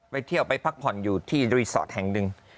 ไปเที่ยวไปพักผ่อนอยู่ที่รีสอร์ทแห่งหนึ่ง